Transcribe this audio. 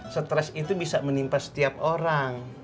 stres itu bisa menimpa setiap orang